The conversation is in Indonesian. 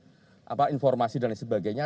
untuk mendapatkan informasi dan lain sebagainya